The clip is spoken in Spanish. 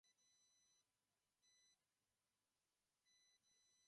Sermón al Santísimo Sacramento.